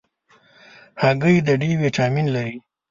هګۍ د D ویټامین لري.